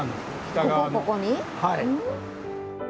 はい。